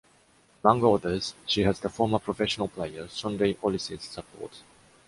Among others, she has the former professional player, Sunday Oliseh’s support.